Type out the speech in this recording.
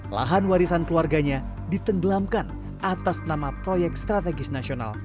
lahan warisan keluarganya ditenggelamkan atas nama proyek strategis nasional